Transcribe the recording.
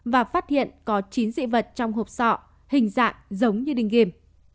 và phát hiện có chín dị vật trong hộp sọ hình dạng giống như đinh ghim